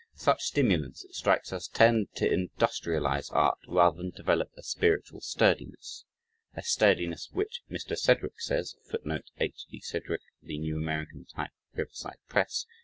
Such stimulants, it strikes us, tend to industrialize art, rather than develop a spiritual sturdiness a sturdiness which Mr. Sedgwick says [footnote: H. D. Sedgwick. The New American Type. Riverside Press.